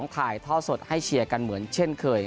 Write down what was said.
ถ่ายท่อสดให้เชียร์กันเหมือนเช่นเคย